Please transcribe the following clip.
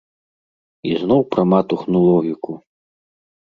І зноў пра матухну логіку.